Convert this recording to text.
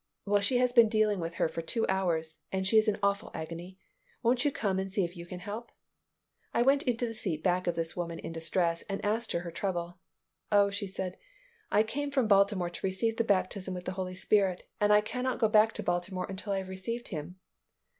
"Well, she has been dealing with her for two hours and she is in awful agony. Won't you come and see if you can help?" I went into the seat back of this woman in distress and asked her her trouble. "Oh," she said, "I came from Baltimore to receive the baptism with the Holy Spirit, and I cannot go back to Baltimore until I have received Him."